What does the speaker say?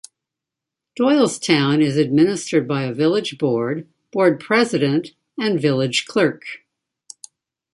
Doylestown is administered by a Village Board, Board President, and Village Clerk.